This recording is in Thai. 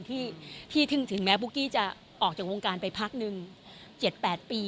ที่ถึงแม้ปุ๊กกี้จะออกจากวงการไปพักนึง๗๘ปี